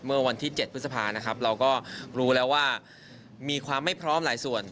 เมื่อวันที่๗พฤษภานะครับเราก็รู้แล้วว่ามีความไม่พร้อมหลายส่วน